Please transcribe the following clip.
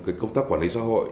từ công tác quản lý xã hội